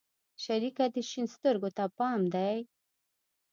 شريکه دې شين سترگو ته پام دى؟